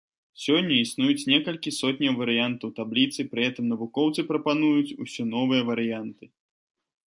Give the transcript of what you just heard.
Сёння існуюць некалькі сотняў варыянтаў табліцы, пры гэтым навукоўцы прапануюць усё новыя варыянты.